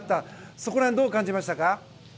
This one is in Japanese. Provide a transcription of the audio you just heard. そこら辺をどう感じましたか？